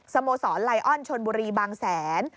โมสรไลออนชนบุรีบางแสน